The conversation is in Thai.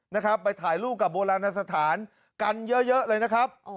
นะครับไปถ่ายรูปกับโบราณสถานกันเยอะเลยนะครับ